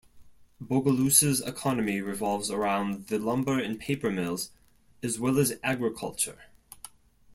Bogalusa's economy revolves around the lumber and paper mills, as well as agriculture.